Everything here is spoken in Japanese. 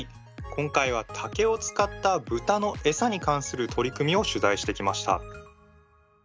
今回は竹を使った豚のエサに関する取り組みを取材してきました。